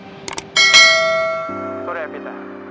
itu udah ya pita